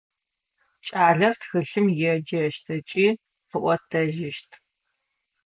Кӏалэр тхылъым еджэщт ыкӏи къыӏотэжьыщт.